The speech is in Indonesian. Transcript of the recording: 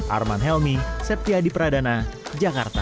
arman helmi septiadi pradana jakarta